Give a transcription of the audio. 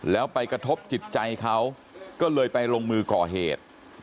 แล้วไปกระทบจิตใจเขาก็เลยไปลงมือก่อเหตุ